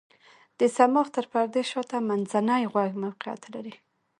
د صماخ تر پردې شاته منځنی غوږ موقعیت لري.